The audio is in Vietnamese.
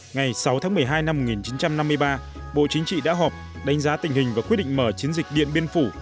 ngày sáu tháng một mươi hai năm một nghìn chín trăm năm mươi ba bộ chính trị đã họp đánh giá tình hình và quyết định mở chiến dịch điện biên phủ